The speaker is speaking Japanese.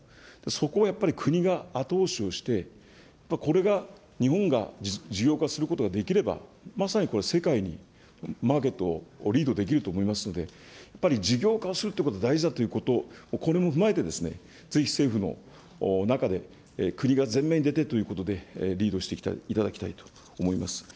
そこをやっぱり国が後押しをして、やっぱりこれが、日本が事業化することができれば、まさにこれ、世界に、マーケットをリードできると思いますので、やっぱり事業化するということが大事だということ、これも踏まえて、ぜひ政府の中で、国が前面に出てということで、リードしていただきたいと思います。